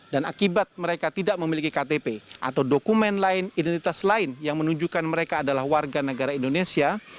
dan akibat mereka tidak memiliki ktp atau dokumen lain identitas lain yang menunjukkan mereka adalah warga negara indonesia